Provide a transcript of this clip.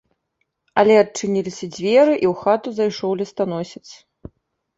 Але адчыніліся дзверы, і ў хату зайшоў лістаносец.